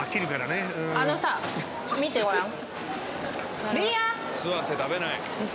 あのさ見てごらん。